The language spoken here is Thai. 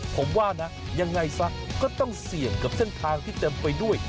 ผมว่านะยังไงซะก็ต้องเสี่ยงกับเส้นทางที่เต็มไปด้วย